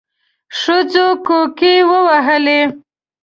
ښځو کوکي وهلې.